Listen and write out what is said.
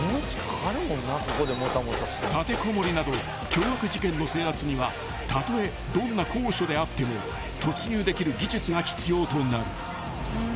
［立てこもりなど凶悪事件の制圧にはたとえどんな高所であっても突入できる技術が必要となる］